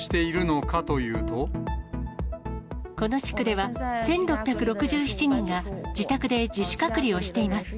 この地区では、１６６７人が自宅で自主隔離をしています。